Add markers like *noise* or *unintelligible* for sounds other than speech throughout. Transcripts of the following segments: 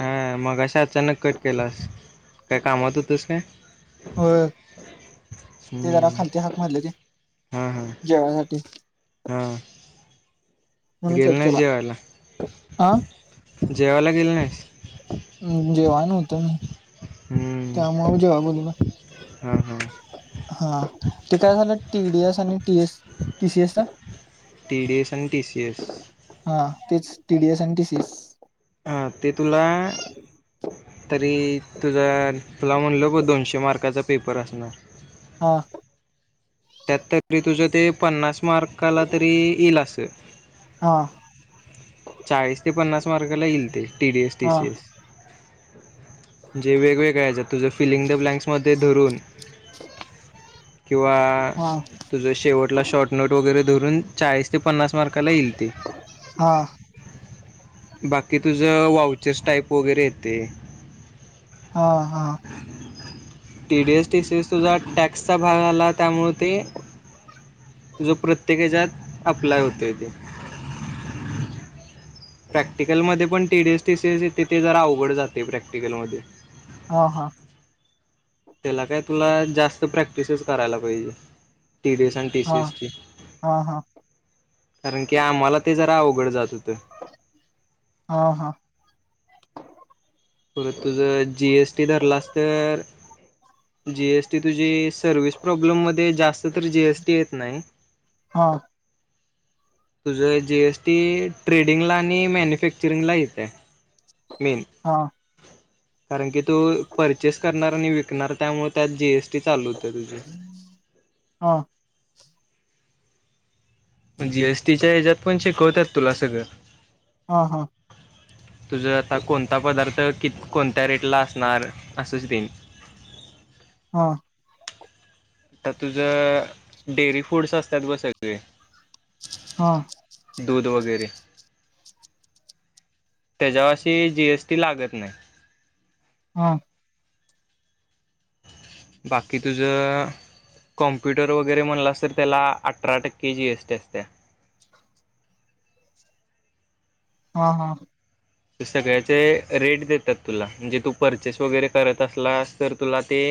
हा मगाशी अचानक कट केलास काय कामात होतस काय होय *inaudible* ते जरा हम्म खालते हाक मारले ते, हा हा जेवणासाठी. हा. म्हणून गेल कट नाहीस केला जेवायला, हा जेवायला गेल नाहीस. हम्म जेवान होत मी. त्या आमही जेवाय बोलू म. ह ह. हा ते काय झालं, टीडीएस आणि टीएस, टीसीएसचा. टी डी एस आणि टी सी एस. हा तेच, टीडीएस आणि टीसी एस. हा ते तुला तरी तुझा तुला म्हणल ब, दोनशे मार्काचा पेपर असणार. हा. त्यात तरी तुझं ते, पन्नास मार्काला तरी येईल असं. हा. चाळीस ते पन्नास मार्गाला येईल ते, टीडीएस, हा टीसी एस. जे वेगवेगळ्या येच्यात, तुझं फिंग द ब्ँलॉक्स मध्ये धरून किंवा, हा तुझं शेवटला शॉर्टनोट वगैरे धरून, चाळीस ते पन्नास मार्काला येईल ते. हा. बाकी तुझ वाउचरस टाईप वगैरे येते. हा हा. टीडीएस टीसीएस तुझा टॅक्सचा भाग आला, त्यामुळे ते जो प्रत्येकाच्यात अप्लाय होतोय ते. प्रॅक्टिकलमध्ये पण टीडीएस टी सीएस यथे, ते जरा अवघड जाते प्रॅक्टिकलमध्ये. ह हा. त्याला काय तुला जास्त प्रॅक्टिसच करायला पाहिजे, टीडीस अन हा टीसीएस ची हा हा हा कारण की, आम्हाला ते जरा अवघड जात होतं. हा हा. परत तुझ जीएसटी धरलास तर, जीएसटी तुझी सर्विस प्रॉब्लेममध्ये, जास्त तर जीएसटी येत नाही. हा. तुझं जी एसटी ट्रेडिंगला आणि मॅन्युफॅक्चरिंगला येतय, मेन. हा. ह *inaudible* कारण की तो परचेस करणार, आणि विकणार, त्यामुळे त्यात जीएसटी चालू होते तुझी. हा. जीएसटीच्या ह्याच्यात पण, शिकवतात तुला सगळं. हा हा तुझं आता कोणता पदार्थ क कोणत्या रेटला असणार असंच देन हा आता तुझं डेअरी फूड्स असतात ग सगळे हा दूध वगैरे त्याच्यावाशी जीएसटी लागत नाही हा बाकी तुझं कॉम्प्युटर वगैरे म्हणलास तर त्याला अठरा टक्के जी एस टी असत्या हा हा ते सगळ्याचे रेट देतात तुला म्हणजे तू परचेस वगैरे करत असलास तर तुला ते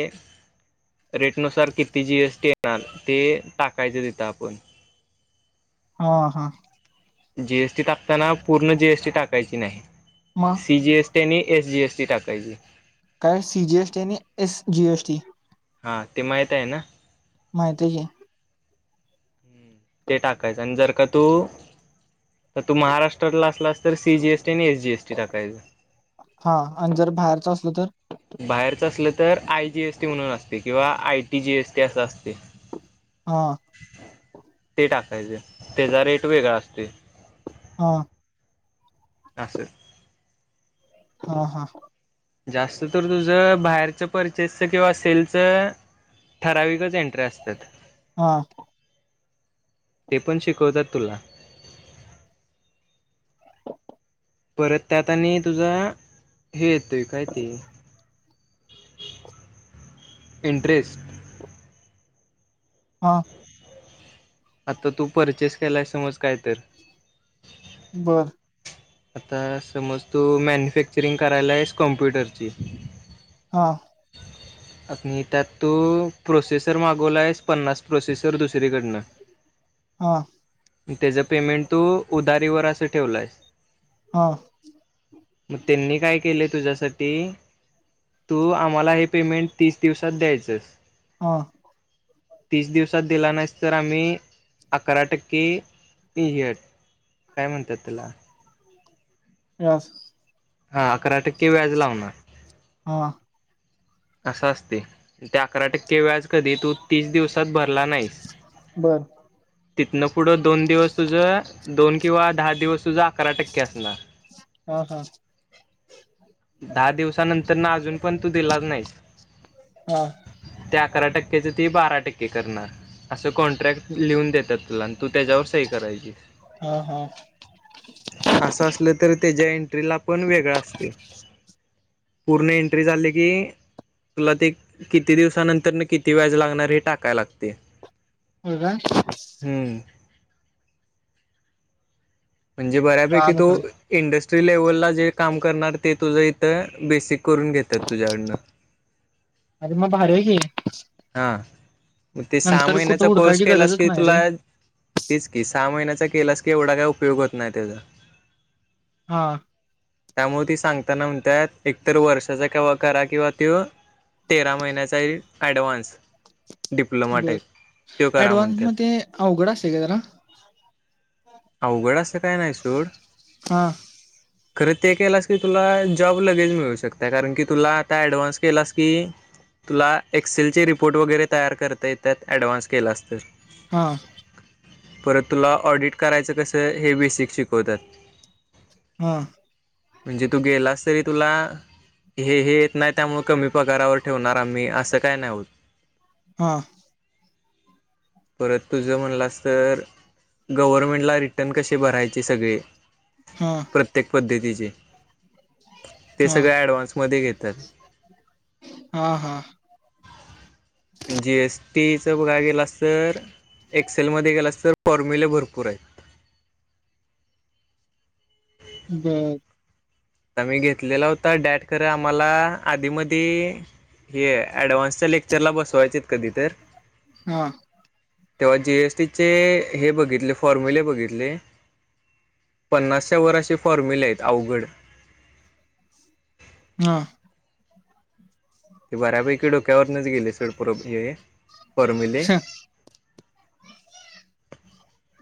रेटनुसार किती जीएसटी येणार ते टाकायचं तथं आपण ह हा जीएसटी टाकताना पूर्ण जीएसटी टाकायची नाही मग सी जीएसटी त्यांनी एस जी एस टी टाकायची काय सी जी एस टी आणि एस जी एस टी हा ते माहित आहे ना माहित ते टाकायचं आणि जर का तू तर तू महाराष्ट्रातला असलास तर सीजीएसी आणि एस जीएसी हा आणि जर बाहेरच असल तर बाहेरचं असलं तर आय जीएसटी म्हणून असते किंवा आय टी जी एसटी असं असते हा ते टाकायचे त्याचा रेट वेगळा असते हा असं हा हा जास्त तर तुझं बाहेरचं परचेसच किंवा सेलच ठराविकच एंट्री असतात हा ते पण शिकवतात तुला. परत त्यात आणि तुझा हे येतोय काय ते. इंटरेस्ट. हा. आता तू परचेस केलाय समज काय तर. बरं. आता समज तू मॅन्युफॅक्चरिंग करायला आहेस कॉम्प्युटरची. हा. *inaudible* त्यात तो प्रोसेसर मागवला आहेस पन्नास प्रोसेसर दुसरीकडनं. *inaudible* हा. त्याचं पेमेंट तू उदारीवर असं ठेवलं आहे. हा. मग त्यांनी काय केलं तुझ्यासाठी तू. आम्हाला हे पेमेंट तीस दिवसात द्यायचच. हा तीस दिवसात दिला नाही तर आम्ही अकरा टक्के घ. काय म्हणतात त्याला. व्याज. हा अकरा टक्के व्याज लावणार. हा. असं असते ते अकरा टक्के. ते व्याज कधी तू तीस दिवसात भरला नाहीस. बर तिथनं पुढं दोन दिवस तुझं दोन किंवा दहा दिवस तुझा अकरा टक्के असणार. हम हम. दहा दिवसानंतर ना अजून पण तू दिलाच नाहीस. हा ते अकरा टक्क्याच ती बारा टक्के करणार असं कॉन्ट्रॅक्ट लिहून देतात तुला. तू त्याच्यावर सही करायचीस. हा हा असं असलं तरी त्याच्या एंट्रीला पण वेगळा असते. पूर्ण एंट्री झाली की. तुला ते किती दिवसानंतर न किती व्याज लागणार हे टाकाय लागते. हो का. हम्म. म्हणजे बऱ्यापैकी कळालं तो सोड इंडस्ट्री लेव्हलला जे काम करणार ते तुझं इथं बेसिक. करून घेतात तुझ्याकडनं. अर मग बाहेर हो क. हा मग ते सहा नंतर कुठं महिन्याचा कोर्स हुडकायची केलास गरजच की नाही रे तुला. तेच की सहा महिन्याचा केलास की एवढा काय उपयोग होत नाही त्याचा. हा. त्यामुळे ते सांगताना म्हणतात एकतर वर्षाचा केंव्हा करा किंवा ते. तेरा महिन्याचा ऍडव्हान्स. बर करा ऍडव्हान्स म्हणतात मग ते अवघड असंय का जरा. अवघड असं काय नाही सूड. हा खरं ते केलंस की तुला जॉब लगेज मिळू शकता कारण की तुला आता ऍडव्हान्स केलास की. तुला एक्सेलचे रिपोर्ट वगैरे तयार करता येतत ॲडव्हान्स केला अस तर हा परत तुला ऑडिट करायचं कसं हे बेसिक शिकवतात हम म्हणजे तू गेलास तरी तुला हे हे येत नाही त्यामुळे कमी पगारावर ठेवणार आम्ही असं काय नाही होत हा परत तुझं म्हणलास तर गव्हर्मेंटला रिटर्न कसे भरायचे सगळे हा प्रत्येक पद्धतीचे ते हा सगळे ॲडव्हान्समध्ये घेतात हा हा जी एस टीचं बघा गेलास तर एक्सेलमध्ये गेलास तर फॉर्म्युले भरपूर आहेत ब आता मी घेतलेला होता डॅट ख आम्हाला आधी म हे ऍडव्हान्स लेक्चरला बसवायचे कधी तर हा तेव्हा जी एस टीचे हे बघितले फॉर्म्युले बघितले. पन्नासशच्या वर अशी फॉर्म्युले आहेत अवघड. हा. ते बऱ्यापैकी डोक्यावरच गेले सोड फॉर्म्यले.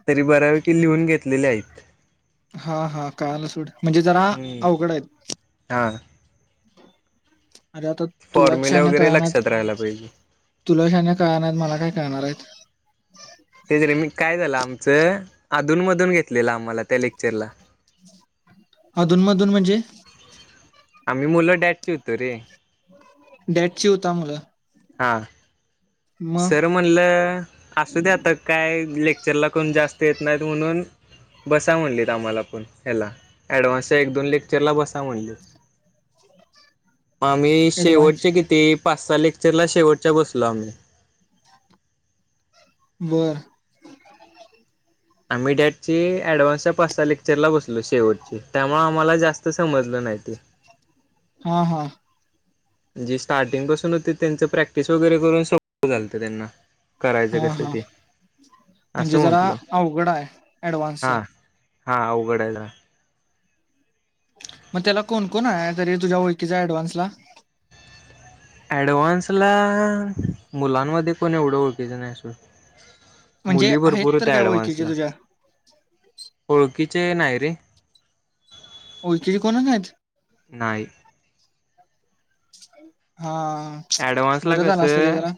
तरी बऱ्यापैकी लिहून घेतलेले आहेत. हा हा काळाल सोड म्हणजे जरा अवघड आहेत हां अरे आता तुला फॉर्म्युला शहाने का वगैरे नाही लक्षात राहायला पाहिजे. तुला शहाने काय नाहीत मला काय कळणार आहेत तेच र मी काय झालं आमचं अधून मधून घेतलेलं आम्हाला त्या लेक्चरला अधूनमधून म्हणजे आम्ही मुलं डॅड ची होतो रे डेट ची होता मुलं हा सर मग म्हणलं असू द्या आता काय लेक्चरला कोण जास्त येत नाहीत म्हणून बसा म्हणलेत आम्हाला पण ह्याला ॲडव्हान्सच्या एक दोन लेक्चरला बसा म्हणलेत *unintelligible* मग आम्ही ऍडव्हान्स शेवटच्या किती पाच स लेक्चरला शेवटच्या बसलो आम्ही वर आम्ही डॅड ची ऍडव्हान्सच्या पाच स लेक्चरला बसलो शेवटची त्यामुळे आम्हाला जास्त समजलं नाही ते हा हा म्हे स्टार्टिंग पासून होते त्यांचं प्रॅक्टिस वगैरे करून घलत त्यांना करायचं हा कस हा ते असं म्हणजे जरा म्हटलं अवघड आहे ऍडव्हान्स हा अवघडायला मग त्याला कोण कोोण आहे तरी तुझ्या ळखीचा डव्हान्स ला ऍडव्हान्स ला मुलांमध्ये कोण एवढं ओळखेच नाही आहे अस म्हणजे मुली आहेत भरपूर तर होत्या काय ओळखीचे ऍडव्हान्सला तुझ्या ओळखीचे नाही रे ओ किरी कोण नाही नाहीई हा अऍडवन्स ला बरं झालं असतं रे कसं जरा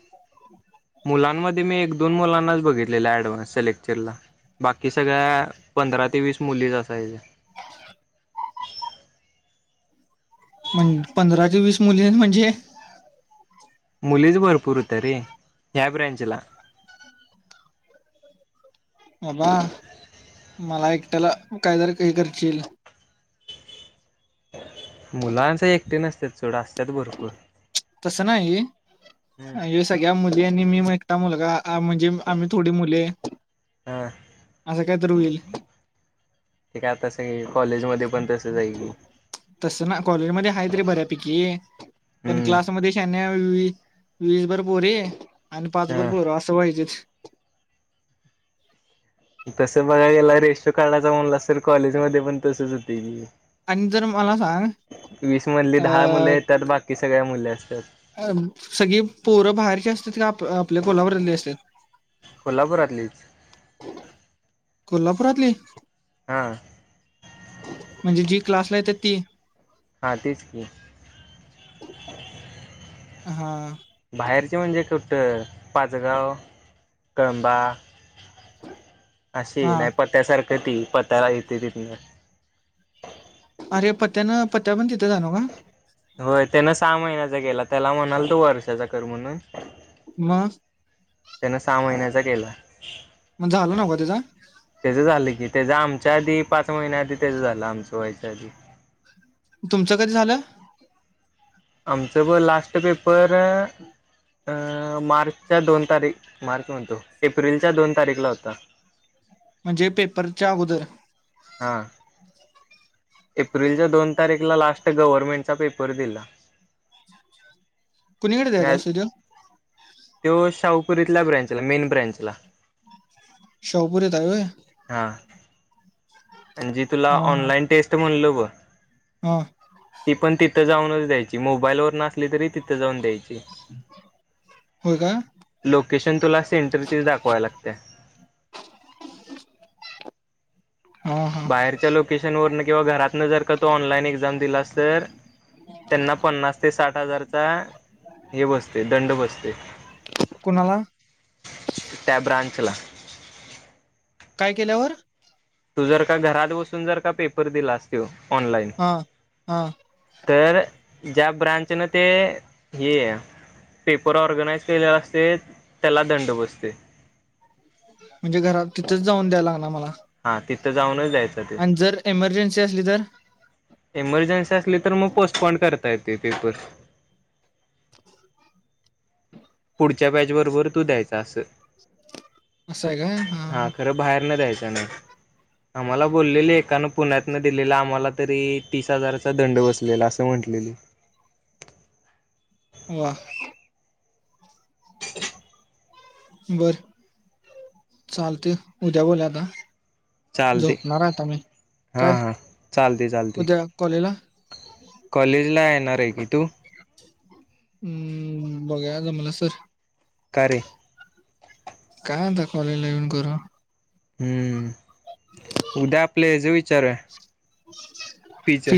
मुलांमध्ये मी एक दोन मुलांनाच बघितलेला ऍडव्हान्स सलेक्चरला बाकी सगळ्या पंधरा ते वीस मुलीच असायचे म्हण पंधरा ते वीस मुली म्हणजे मुलीच भरपूर होत रे ह्या ब्रँचला बाबा मला एकट्याला कायदर काही कर चिल मुलांच एकटे नसतात चढ असतात भरपूर तसं हम्म नाही सगळ्या मुलीं आणि मी एक ट् मुलगा आ म्हणज जे आम्ही थोडी मुले हा असं काय तर होईल ते काय आतासं कॉलेजमध्येध्ये पण तसं जाय की तस ना कॉलेजमध्येध्ये आहेा तरी बऱ्यापैकी पण हम्म क्लासमध्ये शान व वीसभर पोरे आणि पाचभर हा पोर असं व्हाहिजच तस बघा याला रेजिस्टर कारडाचा म्हणला अस स कॉलेज मध्ये पण तसच होते की आणि जर मला सांग वीस मधली अ दहा मुले येतात बाकी सगळ्या मुले असतात सगळी पोरं बाहेरची असतात क आप आपल्या कोलावरली असत कोल्हापुरातलीच कोल्हापुरातली हा म्हणजे जी क्लासला येतात ती हा तेच की हा बाहेरचे म्हणजे कट्टर पाचगाव कळंबा हा अशी नाही पत्यासारखं ती पत्याला येते तिथन अरे पत्त्यानं पत्त्या पण तिथं जाणो का होय त्यान सहा महिन्याचा केला त्याला म्हणाल तो वर्षाचा कर म्हणून म त्यान सहा महिन्याचा केला मग झालं नको त्याचा त्याचं झालं की त्याच आमच्या आधी पाच महिन्या आधी त्याचं झालं आमचं व्हायच्या आधी तुमच कधी झालं आमचं प लास्ट पेपर अ मार्चच्या दोन तारीख मार्च म्हणतो एप्रिलच्या दोन तारीखला होता म्हणजे पेपरच्या अगोदर हा एप्रिलच्या दोन तारीखला लास्ट गव्हर्नमेंटचा पेपर दिला कुणीकडे दयेत सधन तो साावकुरीतल्या ब्रँचला मेन ब्रँचला शावपुरे आहे वय हा जी तुला हा हा ऑनलाइन टेस्ट म्हणल ग हा ती पण तिथं जाऊनच द्यायची मोबाईल वर नसली तरी तिथं जाऊन द्यायची होय का? लोकेशन तुला सेंटर च दाखवा लागते हा हा बाहेरच्या लोकेशन वरन किंवा घरातनं जर का तो ऑनलाईन एक्झाम दिलास तर त्यांना पन्नास ते साठ हजारचा हे बसते दंड बसते कोणाला त्याॅब्रांचला काय केल्यावर तू जर का घरात बसून जर का पेपर दिला असतो ऑनलाईन हा हा तर ज्या ब्रांचनं ते हे पेपर ऑर्गनाइज केलेला असते त्याला दंड बसते म्हणजे घरात तिथेच जाऊन द्या लागणार मला. हा तिथं जाऊनच द्याय आणि जर एमर्जन्सी असली तर, एमर्जन्सी असली तर मं पोस्टपोन करता येते पेपर, पुढच्या बॅच बरोबर तू द्यायचा अस असं आहे काय हा खरं बाहेर न द्यायचं ना, आम्हाला बोललेली एकानं पुण्यातन दिलेलं आम्हाला, तरी ही तीस हजाराचा दंड बसलेला असं म्हटलेली, वाआ. *inaudible* बर, चालते ये उद्या बोला आता चालते झोपणार हाय आत्ता मी, हा काय हा उद्या कॉलेजला कॉलेज ला येणार आहे की तूं, हम्म बघया जमला सर, कारे, काय आता कॉलेज ला येऊन करू, हम्म उद्या आपले या जे विचारूय त्याच्या फीचर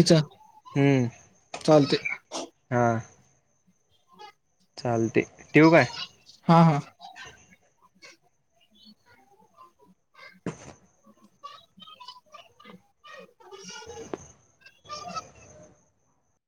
हम्म चालते हा चालते ठेवू काय हा हा *inaudible* *inaudible*